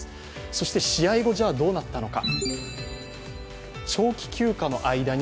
そして試合後どうなったのか。